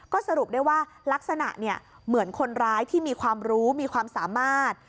ก็สรุปได้ว่าลักษณะเหมือนคนร้ายที่มีความรู้มีความสามารถ